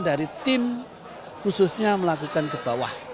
dari tim khususnya melakukan ke bawah